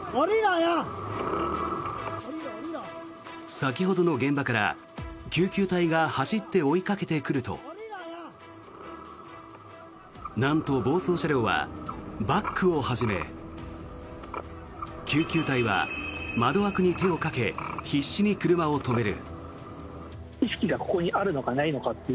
先ほどの現場から救急隊が走って追いかけてくるとなんと暴走車両はバックを始め救急隊は窓枠に手をかけ必死に車を止める。